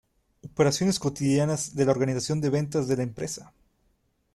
Operaciones cotidianas de la organización de ventas de la empresa.